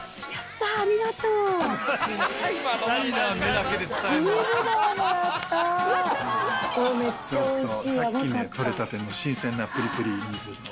さっき採れたての新鮮なプリプリ海ぶどう。